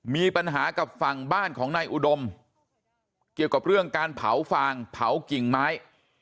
มีปัญหากับฝั่งบ้านของนายอุดมเกี่ยวกับเรื่องการเผาฟางเผากิ่งไม้